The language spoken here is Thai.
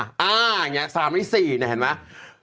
อ่าอย่างเงี้ย๓เป็น๔เนี่ยเห็นมั้ย